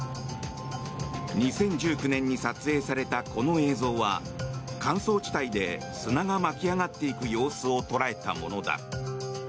２０１９年に撮影されたこの映像は乾燥地帯で砂が巻き上がっていく様子を捉えたものだ。